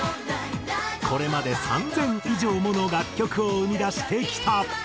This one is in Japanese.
これまで３０００以上もの楽曲を生み出してきた。